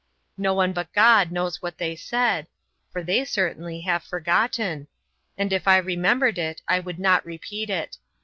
No one but God knows what they said (for they certainly have forgotten), and if I remembered it I would not repeat it.